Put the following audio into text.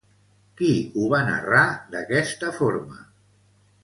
Qui ho va narrar d'aquesta forma?